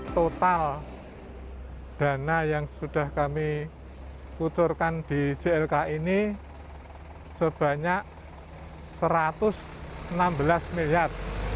total dana yang sudah kami kucurkan di clk ini sebanyak rp satu ratus enam belas miliar